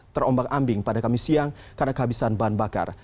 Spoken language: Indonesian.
terombak ambing pada kami siang karena kehabisan bahan bakar